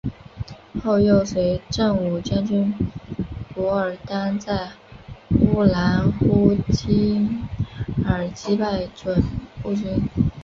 后又随振武将军傅尔丹在乌兰呼济尔击败准部军。